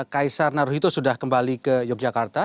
kaisar naruhito sudah kembali ke yogyakarta